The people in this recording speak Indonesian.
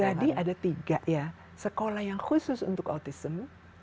jadi ada tiga ya sekolah yang khusus untuk autism